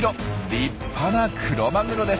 立派なクロマグロです。